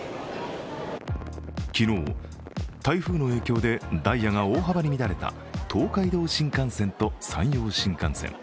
昨日、台風の影響でダイヤが大幅に乱れた東海道新幹線と山陽新幹線。